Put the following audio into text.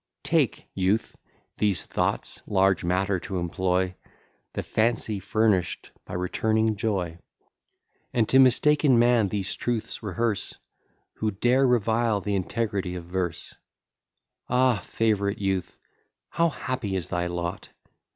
Take, youth, these thoughts, large matter to employ The fancy furnish'd by returning joy; And to mistaken man these truths rehearse, Who dare revile the integrity of verse: Ah, favourite youth, how happy is thy lot!